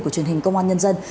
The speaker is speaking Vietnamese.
của truyền hình công an nhân dân